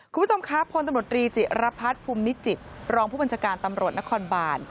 คุณผู้ชมครับพลตำรวจรีจิรพัฒน์ภูมินิจิตรองผู้บัญชาการตำรวจนครบาน